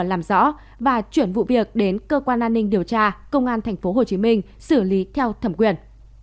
làm rõ và chuyển vụ việc đến cơ quan an ninh điều tra công an tp hcm xử lý theo thẩm quyền